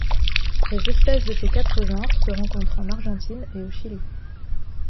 Les espèces de ses quatre genres se rencontrent en Argentine et au Chili.